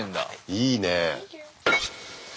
いいね。